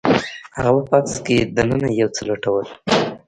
هغه په بکس کې دننه یو څه لټول